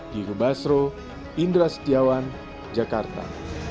diego basro indra setiawan jakarta